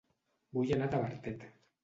Vull anar a Tavertet